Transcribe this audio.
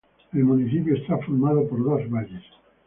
El municipio está formado por dos valles.